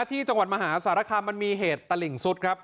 ที่จังหวัดมหาสารคามมันมีเหตุตลิ่งสุดครับ